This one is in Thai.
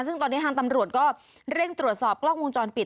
ซึ่งตอนนี้ทางตำรวจก็เร่งตรวจสอบกล้องวงจรปิด